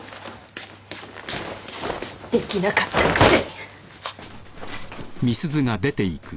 できなかったくせに！